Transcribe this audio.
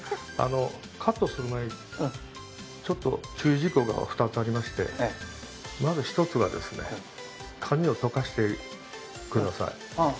カットする前に、ちょっと注意事項が２つありましてまず１つは、髪をとかしてください。